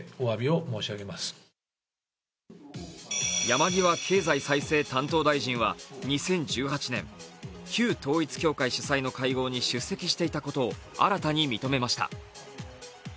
山際経済再生担当大臣は２０１８年、旧統一教会主催の会合に出席していたことを新たに認めました。